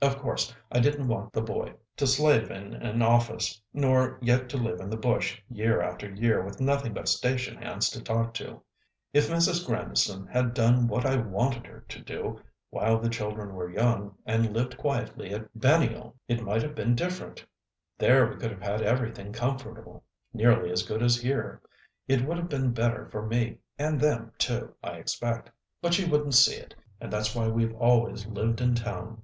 Of course I didn't want the boy to slave in an office, nor yet to live in the bush year after year with nothing but station hands to talk to. If Mrs. Grandison had done what I wanted her to do, while the children were young, and lived quietly at Banyule, it might have been different. There we could have had everything comfortable; nearly as good as here. It would have been better for me, and them too, I expect. But she wouldn't see it, and that's why we've always lived in town."